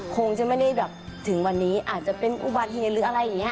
คงจะไม่ได้แบบถึงวันนี้อาจจะเป็นอุบัติเหตุหรืออะไรอย่างนี้